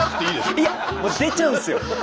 いや出ちゃうんですよ。